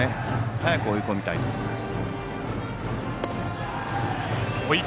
早く追い込みたいということです。